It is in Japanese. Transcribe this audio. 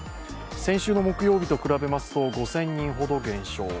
先週の木曜日と比べますと５０００人ほど減少。